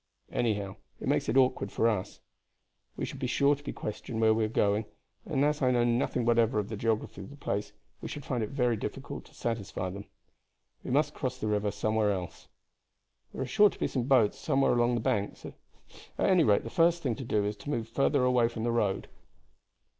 Anyhow, it makes it awkward for us. We should be sure to be questioned where we are going, and as I know nothing whatever of the geography of the place we should find it very difficult to satisfy them. We must cross the river somewhere else. There are sure to be some boats somewhere along the banks; at any rate, the first thing to do is to move further away from the road."